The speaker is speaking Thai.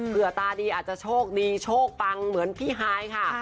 ตาดีอาจจะโชคดีโชคปังเหมือนพี่ฮายค่ะ